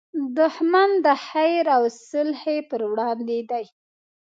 دښمن د خیر او صلحې پر وړاندې دی